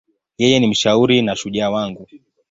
Yeye ni mshauri na shujaa wangu.